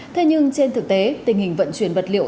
thế nhưng trên thực tế tình hình vận chuyển vật liệu